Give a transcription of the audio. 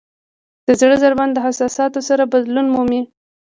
د زړه ضربان د احساساتو سره بدلون مومي.